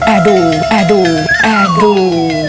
แอดูแอดูแอดู